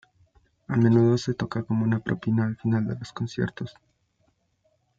A menudo se toca como una propina al final de los conciertos.